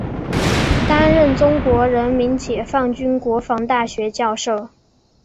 担任中国人民解放军国防大学教授。